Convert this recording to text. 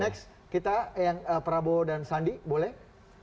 next kita yang prabowo dan sandi boleh